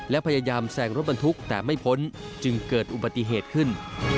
และพยายามแซงรถบรรทุกแต่ไม่พ้นจึงเกิดอุบัติเหตุขึ้น